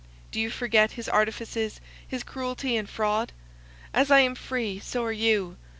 Do you forget his artifices, his cruelty, and fraud? As I am free, so are you.